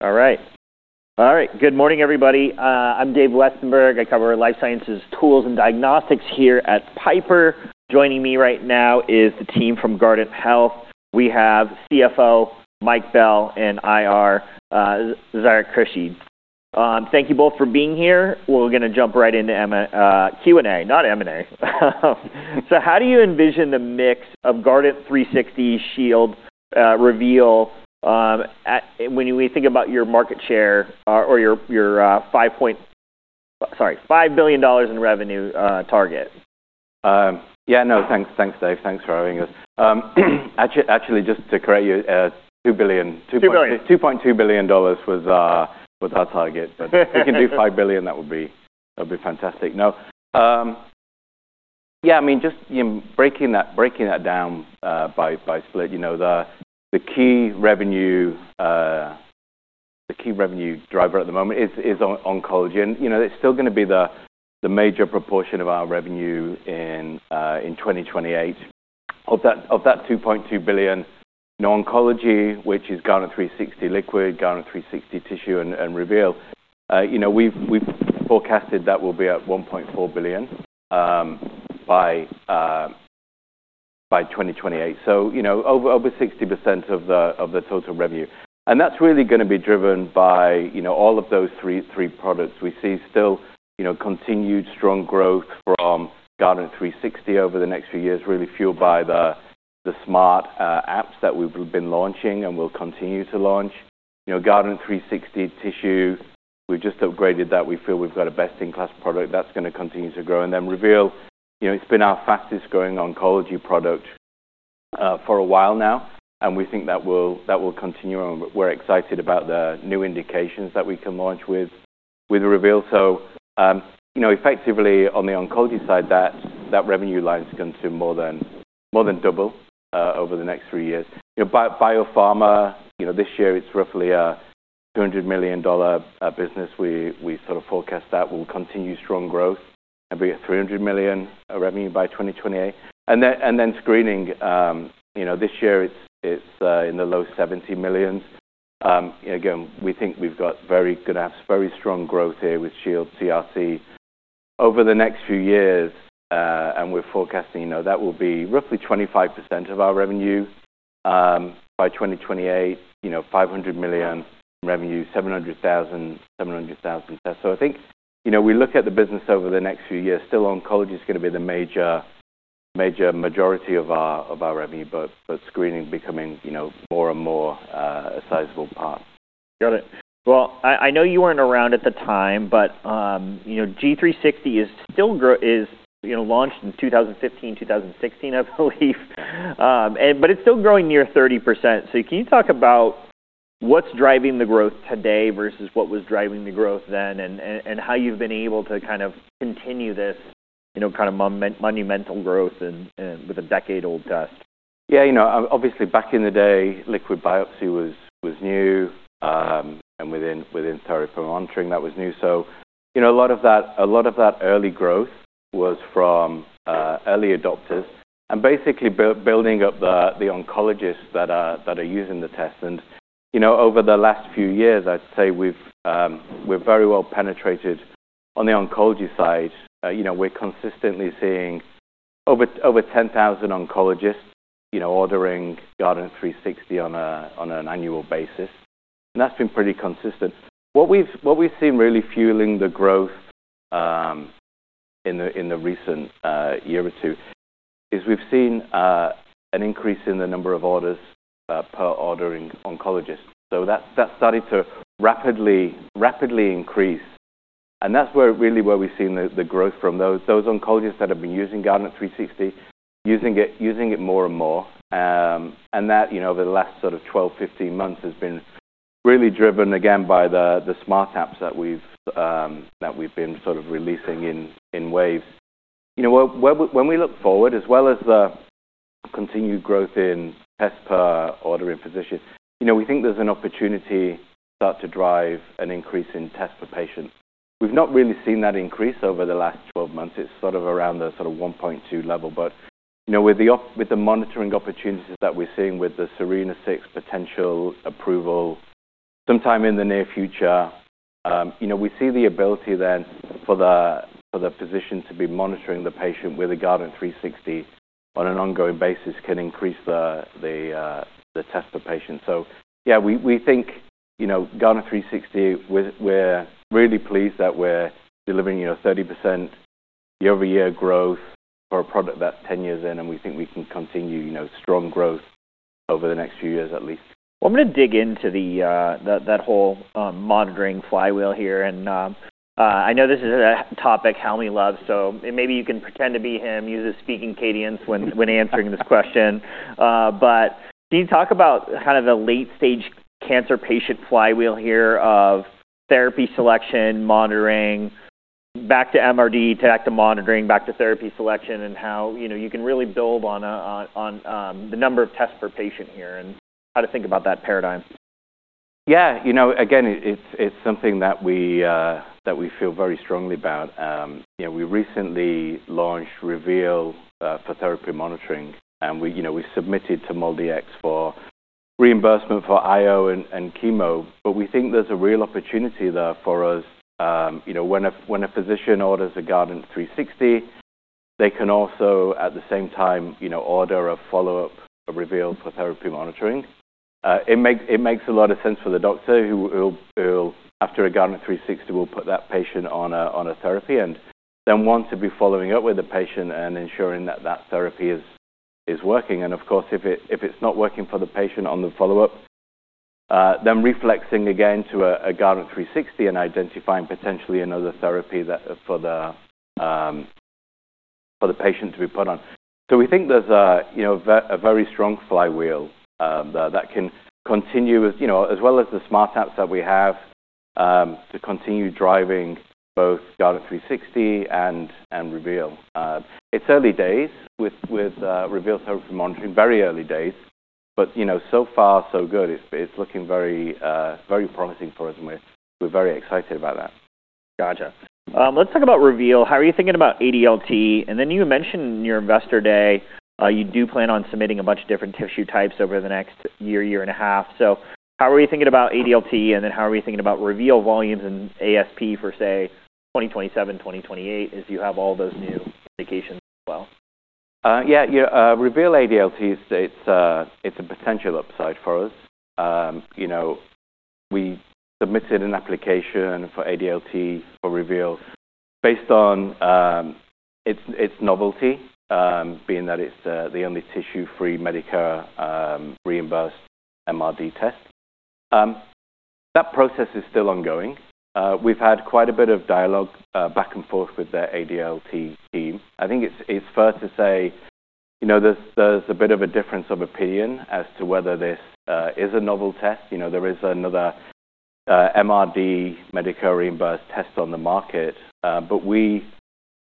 All right. All right. Good morning, everybody. I'm Dave Westenberg. I cover life sciences, tools, and diagnostics here at Piper. Joining me right now is the team from Guardant Health. We have CFO Mike Bell and IR, Zarak Khurshid. Thank you both for being here. We're gonna jump right into MN Q&A. Not M&A. How do you envision the mix of Guardant360, Shield, Reveal, when we think about your market share, or your, your, five-point sorry, $5 billion in revenue, target? Yeah. No. Thanks. Thanks, Dave. Thanks for having us. Actually, just to correct you, $2.2 billion. 2 billion. $2.2 billion was, was our target. If we can do $5 billion, that would be fantastic. Yeah. I mean, just, you know, breaking that down, by split, you know, the key revenue, the key revenue driver at the moment is, is on-oncology. You know, it's still gonna be the major proportion of our revenue in 2028. Of that $2.2 billion, you know, oncology, which is Guardant360 Liquid, Guardant360 Tissue, and Reveal, you know, we've forecasted that will be at $1.4 billion, by 2028. You know, over 60% of the total revenue. That's really gonna be driven by, you know, all of those three products. We see still, you know, continued strong growth from Guardant360 over the next few years, really fueled by the, the SMART apps that we've been launching and will continue to launch. You know, Guardant360 Tissue, we've just upgraded that. We feel we've got a best-in-class product that's gonna continue to grow. And then Reveal, you know, it's been our fastest-growing oncology product, for a while now. We think that will continue. We're excited about the new indications that we can launch with, with Reveal. You know, effectively, on the oncology side, that revenue line's gonna more than more than double, over the next three years. You know, biopharma, you know, this year, it's roughly a $200 million business. We, we sort of forecast that will continue strong growth and be at $300 million revenue by 2028. Then screening, you know, this year, it's in the low $70 million. You know, again, we think we've got very good apps, very strong growth here with Shield, CRC. Over the next few years, and we're forecasting, you know, that will be roughly 25% of our revenue by 2028, you know, $500 million revenue, 700,000, 700,000 tests. I think, you know, we look at the business over the next few years, still oncology's gonna be the major, major majority of our revenue, but screening becoming, you know, more and more, a sizable part. Got it. I know you weren't around at the time, but, you know, Guardant360 is still gro— is, you know, launched in 2015, 2016, I believe, and it's still growing near 30%. Can you talk about what's driving the growth today versus what was driving the growth then, and how you've been able to kind of continue this, you know, kind of monumental growth with a decade-old test? Yeah. You know, obviously, back in the day, liquid biopsy was new. And within therapy monitoring, that was new. You know, a lot of that early growth was from early adopters and basically building up the oncologists that are using the test. You know, over the last few years, I'd say we've very well penetrated on the oncology side. You know, we're consistently seeing over 10,000 oncologists ordering Guardant360 on an annual basis. That's been pretty consistent. What we've seen really fueling the growth in the recent year or two is we've seen an increase in the number of orders per ordering oncologist. That started to rapidly increase. That's really where we've seen the growth from those oncologists that have been using Guardant360, using it more and more. That, you know, over the last sort of 12-15 months has been really driven, again, by the smart apps that we've been sort of releasing in waves. You know, when we look forward, as well as the continued growth in tests per ordering physician, we think there's an opportunity to start to drive an increase in tests per patient. We've not really seen that increase over the last 12 months. It's sort of around the 1.2 level. You know, with the monitoring opportunities that we're seeing with the SERENA-6 potential approval sometime in the near future, you know, we see the ability then for the physician to be monitoring the patient with a Guardant360 on an ongoing basis can increase the test per patient. Yeah, we think, you know, Guardant360, we're really pleased that we're delivering, you know, 30% year-over-year growth for a product that's 10 years in. We think we can continue, you know, strong growth over the next few years at least. I'm gonna dig into that whole monitoring flywheel here. I know this is a topic Helmy loves, so maybe you can pretend to be him. He's a speaking CadiaN when he's answering this question. Can you talk about kind of the late-stage cancer patient flywheel here of therapy selection, monitoring, back to MRD, back to monitoring, back to therapy selection, and how, you know, you can really build on the number of tests per patient here and how to think about that paradigm? Yeah. You know, again, it's something that we feel very strongly about. You know, we recently launched Reveal, for therapy monitoring. And we, you know, we submitted to MolDX for reimbursement for IO and chemo. But we think there's a real opportunity there for us. You know, when a physician orders a Guardant360, they can also, at the same time, order a follow-up Reveal for therapy monitoring. It makes a lot of sense for the doctor who will, after a Guardant360, put that patient on a therapy and then want to be following up with the patient and ensuring that that therapy is working. If it's not working for the patient on the follow-up, then reflexing again to a Guardant360 and identifying potentially another therapy for the patient to be put on. We think there's a very strong flywheel that can continue, as well as the smart apps that we have, to continue driving both Guardant360 and Reveal. It's early days with Reveal therapy monitoring, very early days. But, you know, so far, so good. It's looking very, very promising for us, and we're very excited about that. Gotcha. Let's talk about Reveal. How are you thinking about ADLT? You mentioned in your investor day you do plan on submitting a bunch of different tissue types over the next year, year and a half. How are you thinking about ADLT? How are you thinking about Reveal volumes and ASP for, say, 2027, 2028 if you have all those new medications as well? Yeah. You know, Reveal ADLT, it's, it's, it's a potential upside for us. You know, we submitted an application for ADLT for Reveal based on, it's, it's novelty, being that it's, the only tissue-free Medicare reimbursed MRD test. That process is still ongoing. We've had quite a bit of dialogue, back and forth with the ADLT team. I think it's, it's fair to say, you know, there's, there's a bit of a difference of opinion as to whether this, is a novel test. You know, there is another, MRD Medicare reimbursed test on the market. But we,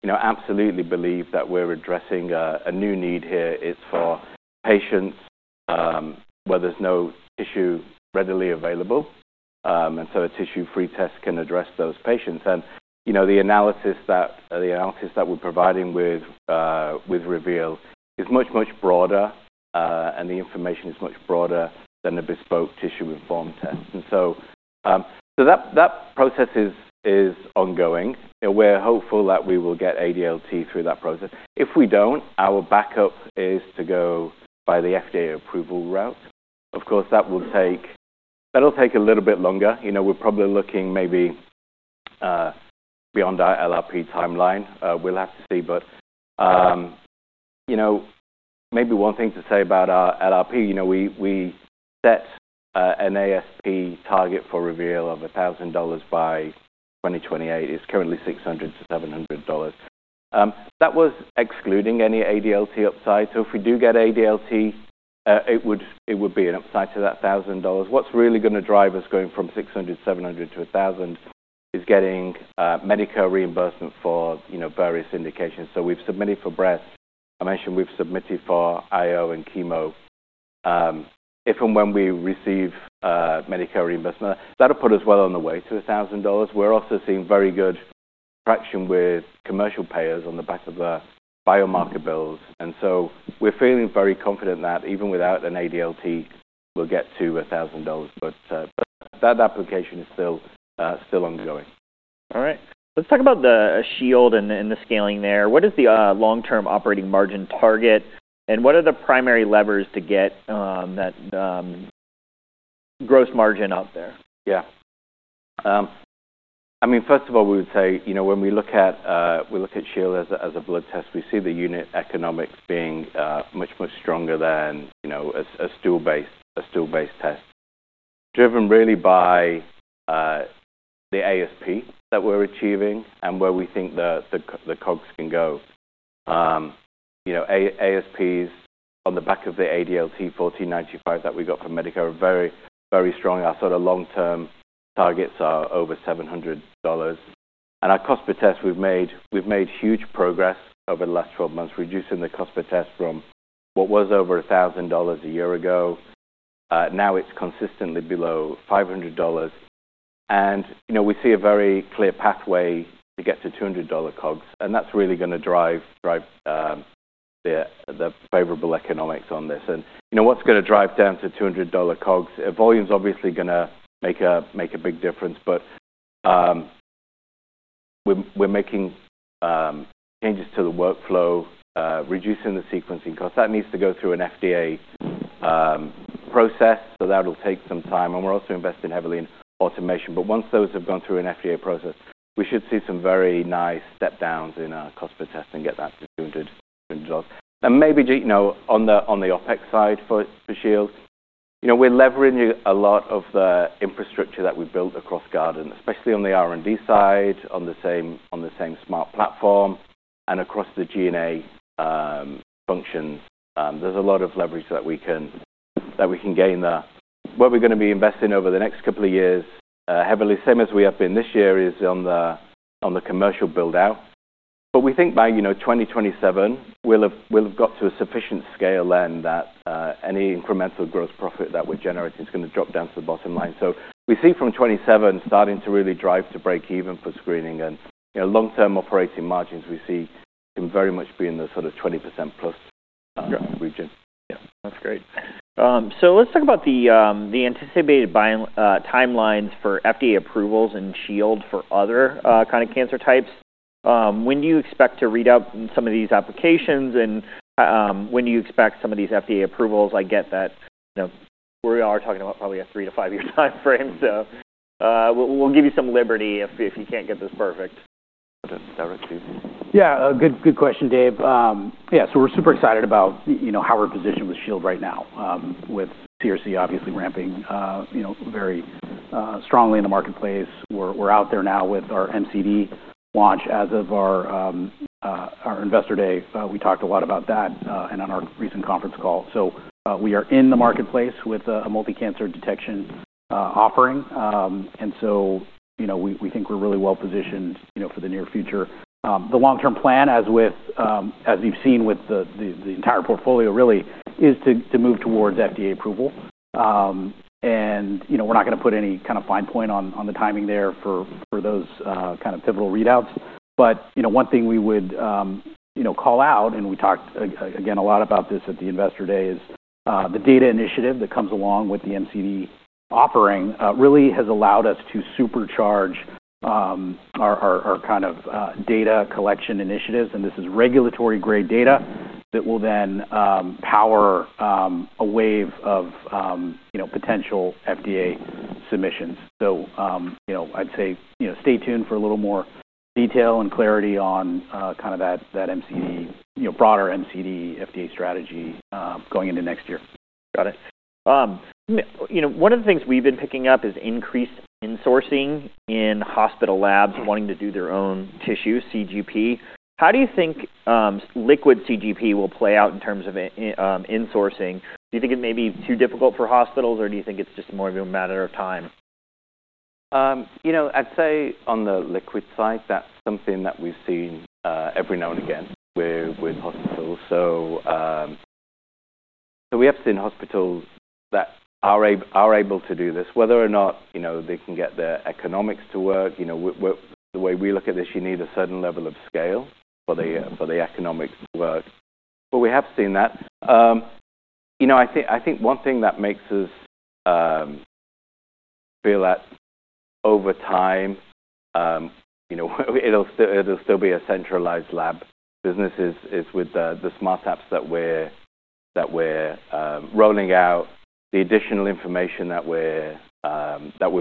you know, absolutely believe that we're addressing, a new need here. It's for patients, where there's no tissue readily available. And so a tissue-free test can address those patients. You know, the analysis that the analysis that we're providing with, with Reveal is much, much broader. and the information is much broader than a bespoke tissue-informed test. That process is ongoing. You know, we're hopeful that we will get ADLT through that process. If we don't, our backup is to go by the FDA approval route. Of course, that will take a little bit longer. You know, we're probably looking maybe, beyond our LRP timeline. We'll have to see. You know, maybe one thing to say about our LRP, you know, we set an ASP target for Reveal of $1,000 by 2028. It's currently $600-$700. That was excluding any ADLT upside. If we do get ADLT, it would be an upside to that $1,000. What's really gonna drive us going from $600-$700 to $1,000 is getting Medicare reimbursement for, you know, various indications. We've submitted for breast. I mentioned we've submitted for IO and chemo. If and when we receive Medicare reimbursement, that'll put us well on the way to $1,000. We're also seeing very good traction with commercial payers on the back of the biomarker bills. We're feeling very confident that even without an ADLT, we'll get to $1,000. That application is still ongoing. All right. Let's talk about the Shield and the scaling there. What is the long-term operating margin target? What are the primary levers to get that gross margin up there? Yeah. I mean, first of all, we would say, you know, when we look at, we look at Shield as a blood test, we see the unit economics being, much, much stronger than, you know, a stool-based, a stool-based test driven really by, the ASP that we're achieving and where we think the, the, the COGS can go. You know, ASPs on the back of the ADLT 1495 that we got from Medicare are very, very strong. Our sort of long-term targets are over $700. And our cost per test, we've made, we've made huge progress over the last 12 months, reducing the cost per test from what was over $1,000 a year ago. Now it's consistently below $500. And, you know, we see a very clear pathway to get to $200 COGS. And that's really gonna drive, drive, the, the favorable economics on this. You know, what's gonna drive down to $200 COGS? Volume's obviously gonna make a big difference. We're making changes to the workflow, reducing the sequencing cost. That needs to go through an FDA process. That'll take some time. We're also investing heavily in automation. Once those have gone through an FDA process, we should see some very nice step-downs in our cost per test and get that to $200, $200. Maybe, you know, on the OpEx side for Shield, we're leveraging a lot of the infrastructure that we've built across Guardant, especially on the R&D side, on the same SMART platform and across the G&A functions. There's a lot of leverage that we can gain there. Where we're gonna be investing over the next couple of years, heavily, same as we have been this year, is on the commercial build-out. We think by, you know, 2027, we'll have got to a sufficient scale then that, any incremental gross profit that we're generating is gonna drop down to the bottom line. We see from 2027 starting to really drive to break even for screening. You know, long-term operating margins, we see can very much be in the sort of 20%+ region. Yeah. That's great. Let's talk about the anticipated buying timelines for FDA approvals and Shield for other kind of cancer types. When do you expect to read out some of these applications? And when do you expect some of these FDA approvals? I get that, you know, we are talking about probably a three- to five-year time frame. We'll give you some liberty if you can't get this perfect. Directly. Yeah. Good, good question, Dave. Yeah. We're super excited about, you know, how we're positioned with Shield right now, with CRC obviously ramping, you know, very strongly in the marketplace. We're out there now with our MCD launch as of our investor day. We talked a lot about that, and on our recent conference call. We are in the marketplace with a multicancer detection offering. You know, we think we're really well positioned, you know, for the near future. The long-term plan, as with, as you've seen with the entire portfolio, really, is to move towards FDA approval. You know, we're not gonna put any kind of fine point on the timing there for those kind of pivotal readouts. You know, one thing we would, you know, call out, and we talked again, a lot about this at the investor day, is, the data initiative that comes along with the MCD offering really has allowed us to supercharge our, our kind of, data collection initiatives. This is regulatory-grade data that will then power a wave of, you know, potential FDA submissions. You know, I'd say, you know, stay tuned for a little more detail and clarity on, kind of that, that MCD, you know, broader MCD FDA strategy, going into next year. Got it. You know, one of the things we've been picking up is increased insourcing in hospital labs wanting to do their own tissue CGP. How do you think liquid CGP will play out in terms of insourcing? Do you think it may be too difficult for hospitals, or do you think it's just more of a matter of time? You know, I'd say on the liquid side, that's something that we've seen every now and again with hospitals. We have seen hospitals that are able to do this. Whether or not, you know, they can get their economics to work, the way we look at this, you need a certain level of scale for the economics to work. We have seen that. You know, I think one thing that makes us feel that over time, you know, it'll still be a centralized lab business is with the smart apps that we're rolling out, the additional information that we're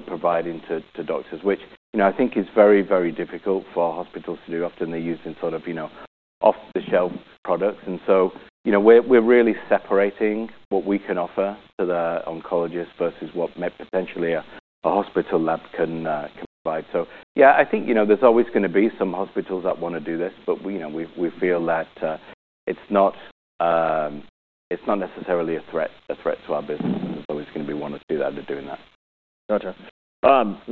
providing to doctors, which, you know, I think is very, very difficult for hospitals to do. Often they're using sort of, you know, off-the-shelf products. You know, we're really separating what we can offer to the oncologist versus what maybe potentially a hospital lab can provide. Yeah, I think, you know, there's always gonna be some hospitals that wanna do this. We feel that it's not necessarily a threat to our business. There's always gonna be one or two that are doing that. Gotcha. We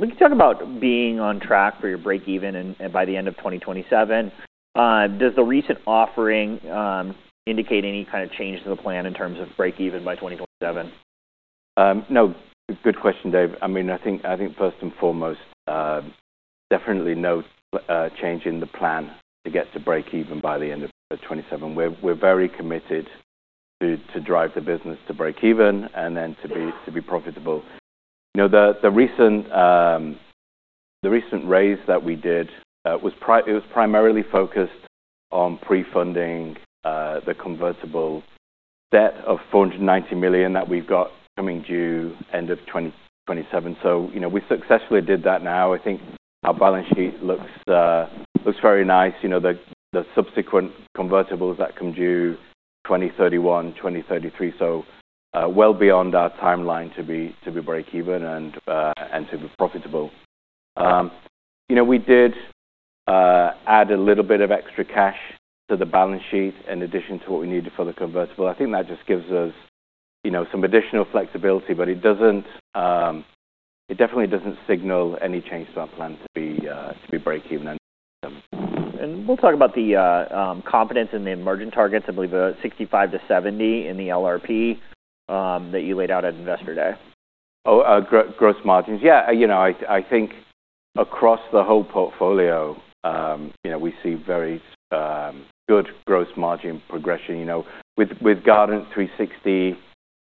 can talk about being on track for your breakeven, and by the end of 2027. Does the recent offering indicate any kind of change to the plan in terms of breakeven by 2027? No. Good question, Dave. I mean, I think first and foremost, definitely no change in the plan to get to breakeven by the end of 2027. We're very committed to drive the business to breakeven and then to be profitable. You know, the recent raise that we did was primarily focused on pre-funding the convertible debt of $490 million that we've got coming due end of 2027. You know, we successfully did that now. I think our balance sheet looks very nice. The subsequent convertibles that come due 2031, 2033, well beyond our timeline to be breakeven and to be profitable. You know, we did add a little bit of extra cash to the balance sheet in addition to what we needed for the convertible. I think that just gives us, you know, some additional flexibility. It definitely doesn't signal any change to our plan to be, to be breakeven end of 2027. We'll talk about the confidence in the emergent targets. I believe a 65-70 in the LRP that you laid out at investor day. Oh, gross margins. Yeah. You know, I think across the whole portfolio, you know, we see very good gross margin progression. You know, with Guardant360,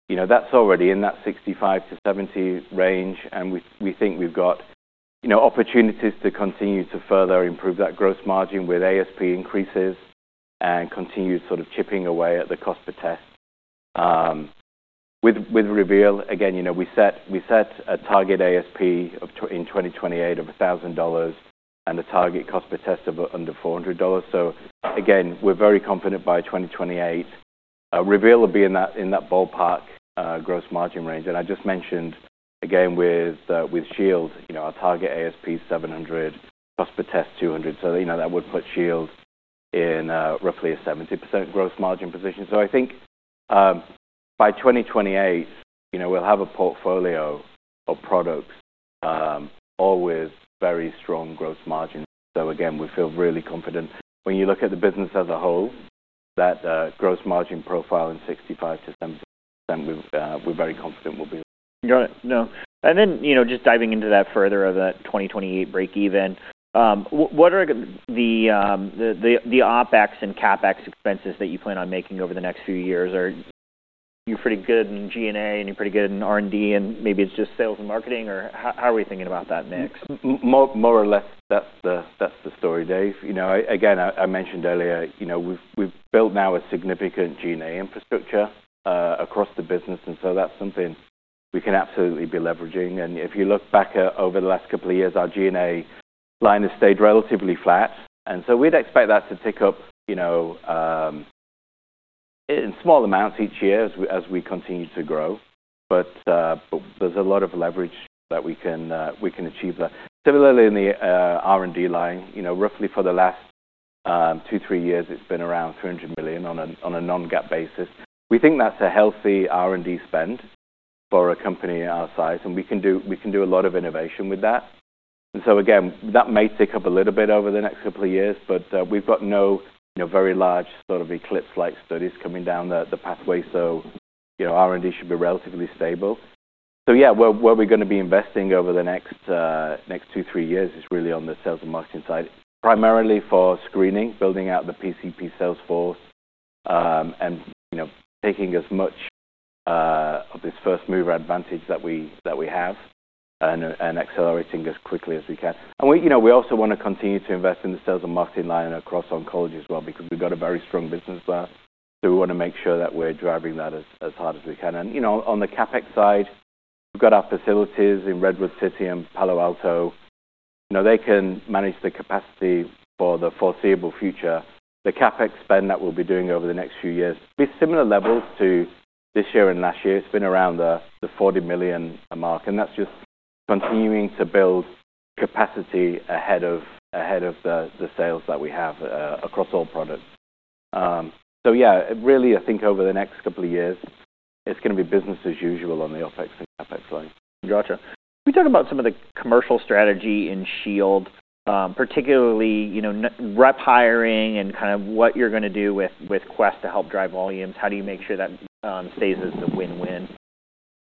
you know, that's already in that 65%-70% range. And we think we've got, you know, opportunities to continue to further improve that gross margin with ASP increases and continued sort of chipping away at the cost per test. With Reveal, again, you know, we set a target ASP of in 2028 of $1,000 and a target cost per test of under $400. You know, we're very confident by 2028 Reveal will be in that ballpark, gross margin range. I just mentioned, again, with Shield, you know, our target ASP's $700, cost per test $200. You know, that would put Shield in roughly a 70% gross margin position. I think, by 2028, you know, we'll have a portfolio of products, all with very strong gross margins. Again, we feel really confident. When you look at the business as a whole, that gross margin profile in 65-70%, we're very confident we'll be there. Got it. No. And then, you know, just diving into that further of that 2028 breakeven, what are the OPEX and CAPEX expenses that you plan on making over the next few years? Are you pretty good in G&A and you're pretty good in R&D, and maybe it's just sales and marketing? How are we thinking about that mix? More or less, that's the story, Dave. You know, I again, I mentioned earlier, you know, we've built now a significant G&A infrastructure across the business. And so that's something we can absolutely be leveraging. If you look back at over the last couple of years, our G&A line has stayed relatively flat. We would expect that to tick up, you know, in small amounts each year as we continue to grow. There is a lot of leverage that we can achieve with that. Similarly, in the R&D line, you know, roughly for the last two, three years, it's been around $300 million on a non-GAAP basis. We think that's a healthy R&D spend for a company our size. We can do a lot of innovation with that. That may tick up a little bit over the next couple of years. We have no, you know, very large sort of eclipse-like studies coming down the pathway. You know, R&D should be relatively stable. Where we're gonna be investing over the next two, three years is really on the sales and marketing side, primarily for screening, building out the PCP sales force, and, you know, taking as much of this first-mover advantage that we have and accelerating as quickly as we can. We also wanna continue to invest in the sales and marketing line across oncology as well because we've got a very strong business there. We wanna make sure that we're driving that as hard as we can. You know, on the CAPEX side, we've got our facilities in Redwood City and Palo Alto. You know, they can manage the capacity for the foreseeable future. The CAPEX spend that we'll be doing over the next few years will be similar levels to this year and last year. It's been around the $40 million mark. That's just continuing to build capacity ahead of the sales that we have, across all products. Yeah, really, I think over the next couple of years, it's gonna be business as usual on the OPEX and CapEx line. Gotcha. Can we talk about some of the commercial strategy in Shield, particularly, you know, rep hiring and kind of what you're gonna do with, with Quest to help drive volumes? How do you make sure that stays as a win-win?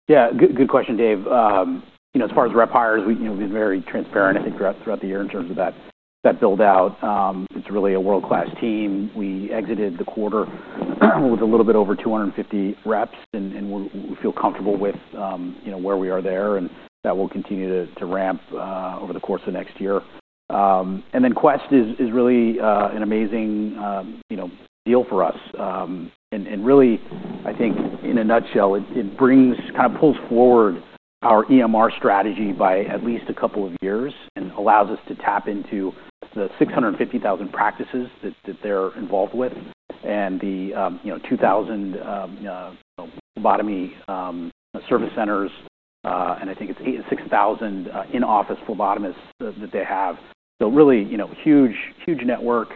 Yeah. Good, good question, Dave. You know, as far as rep hires, we, you know, we've been very transparent, I think, throughout, throughout the year in terms of that, that build-out. It's really a world-class team. We exited the quarter with a little bit over 250 reps. We feel comfortable with, you know, where we are there. That will continue to ramp over the course of next year. Quest is really an amazing, you know, deal for us. Really, I think in a nutshell, it brings, kind of pulls forward our EMR strategy by at least a couple of years and allows us to tap into the 650,000 practices that they're involved with and the, you know, 2,000 phlebotomy service centers. I think it's 8,600 in-office phlebotomists that they have. Really, you know, huge, huge network.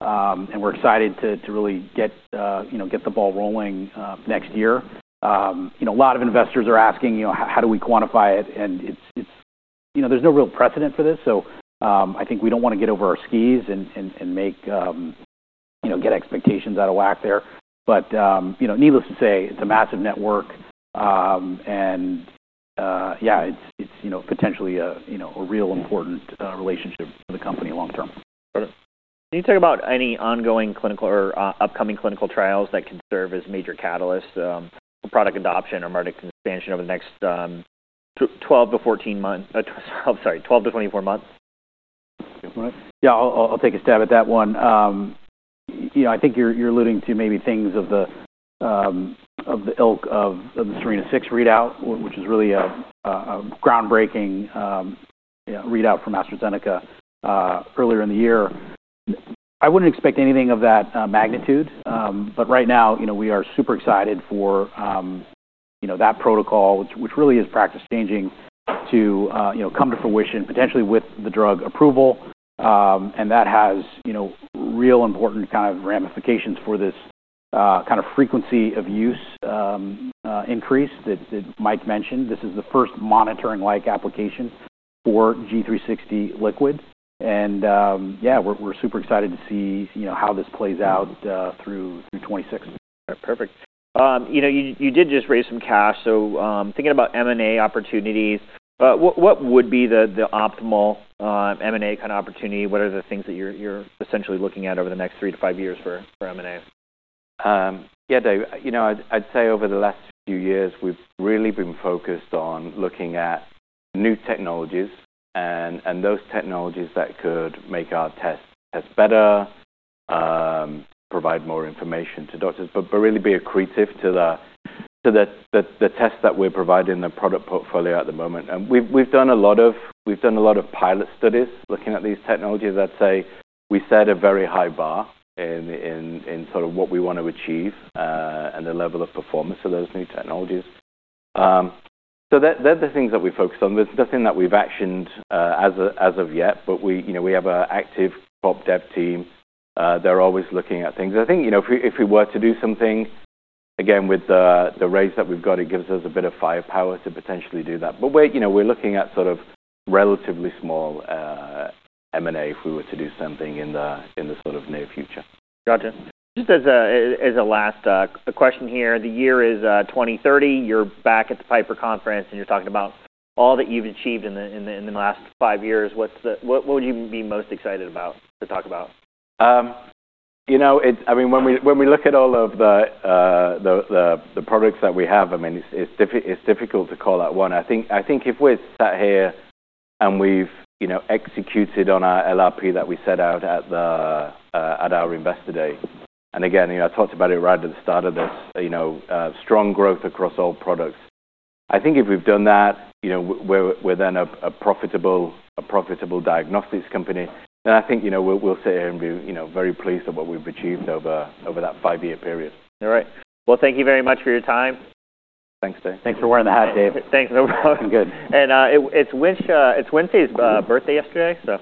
We're excited to really get, you know, get the ball rolling next year. You know, a lot of investors are asking, you know, how do we quantify it? It's, you know, there's no real precedent for this. I think we don't wanna get over our skis and make, you know, get expectations out of whack there. Needless to say, it's a massive network. Yeah, it's, you know, potentially a, you know, a real important relationship for the company long-term. Got it. Can you talk about any ongoing clinical or, upcoming clinical trials that could serve as major catalysts, for product adoption or market expansion over the next 12-24 months? I'm sorry, 12 to 24 months? Yeah. I'll take a stab at that one. You know, I think you're alluding to maybe things of the ilk of the SERENA-6 readout, which is really a groundbreaking, you know, readout for AstraZeneca, earlier in the year. I wouldn't expect anything of that magnitude. Right now, you know, we are super excited for, you know, that protocol, which really is practice-changing to, you know, come to fruition potentially with the drug approval. That has, you know, real important kind of ramifications for this kind of frequency of use increase that Mike mentioned. This is the first monitoring-like application for Guardant360 Liquid. And, yeah, we're super excited to see, you know, how this plays out through 2026. All right. Perfect. You know, you did just raise some cash. Thinking about M&A opportunities, what would be the optimal M&A kind of opportunity? What are the things that you're essentially looking at over the next three to five years for M&A? Yeah, Dave, you know, I'd say over the last few years, we've really been focused on looking at new technologies and those technologies that could make our tests better, provide more information to doctors, but really be accretive to the tests that we're providing, the product portfolio at the moment. And we've done a lot of pilot studies looking at these technologies that say we set a very high bar in what we wanna achieve, and the level of performance of those new technologies. They're the things that we focus on. There's nothing that we've actioned as of yet. But we, you know, we have an active co-op dev team. They're always looking at things. I think, you know, if we were to do something, again, with the raise that we've got, it gives us a bit of firepower to potentially do that. We're, you know, we're looking at sort of relatively small M&A if we were to do something in the sort of near future. Gotcha. Just as a last question here, the year is 2030. You're back at the Piper Conference, and you're talking about all that you've achieved in the last five years. What would you be most excited about to talk about? You know, it's, I mean, when we look at all of the, the, the products that we have, I mean, it's, it's difficult to call out one. I think, I think if we're sat here and we've, you know, executed on our LRP that we set out at the, at our investor day, and again, you know, I talked about it right at the start of this, you know, strong growth across all products, I think if we've done that, you know, we're, we're then a profitable, a profitable diagnostics company, then I think, you know, we'll, we'll sit here and be, you know, very pleased at what we've achieved over, over that five-year period. All right. Thank you very much for your time. Thanks, Dave. Thanks for wearing the hat, Dave. Thanks. No problem. Good. It's Winsay's birthday yesterday, so.